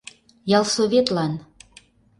Ялсоветлан.